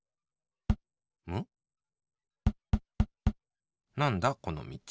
むっなんだこのみち。